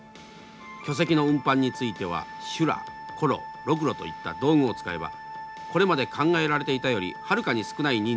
巨石の運搬については修羅転木ロクロといった道具を使えばこれまで考えられていたよりはるかに少ない人数で可能なこと。